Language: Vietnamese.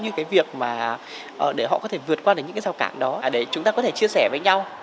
như cái việc mà để họ có thể vượt qua những cái rào cản đó đấy chúng ta có thể chia sẻ với nhau